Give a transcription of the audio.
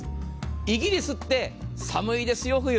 イギリスって寒いです、冬。